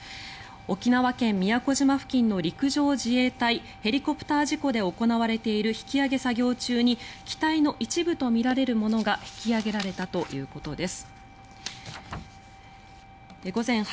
沖縄県・宮古島付近の陸上自衛隊ヘリコプター事故で行われている引き揚げ作業中に機体の一部とみられるものが引き揚げられたということです。